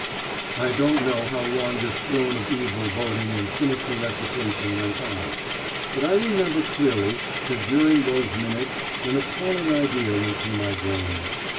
I don't know how long this drone of evil boding and sinister recitation went on. But I remember clearly that during those minutes an appalling idea went through my brain.